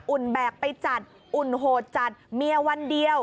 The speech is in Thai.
แบกไปจัดอุ่นโหดจัดเมียวันเดียว